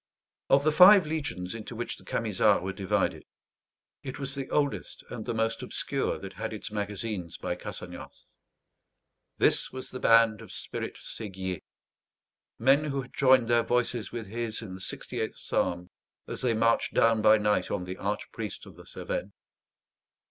Of the five legions into which the Camisards were divided, it was the oldest and the most obscure that had its magazines by Cassagnas. This was the band of Spirit Séguier; men who had joined their voices with his in the 68th Psalm as they marched down by night on the archpriest of the Cevennes.